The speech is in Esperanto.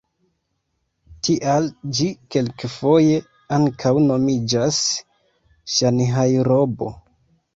Tial ĝi kelkfoje ankaŭ nomiĝas Ŝanhajrobo.